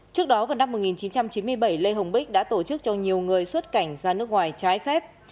trước đó vào năm một nghìn chín trăm chín mươi bảy lê hồng bích đã tổ chức cho nhiều người xuất cảnh ra nước ngoài trái phép